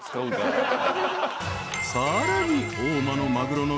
［さらに］